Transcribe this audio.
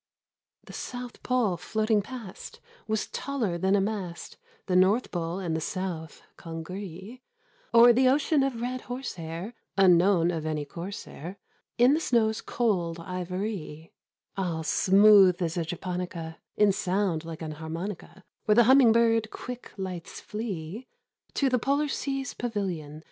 The South Pole floating past 50 Was taller than a mast — The North Pole and the South congree O'er the ocean of red horsehair (Unknown of any corsair) In the snow's cold ivory — All smooth as a japonica, In sound like an harmonica, Where the humming bird quick lights flee To the polar sea's pavilion.